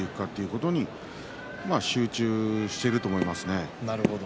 それで集中していると思いますね。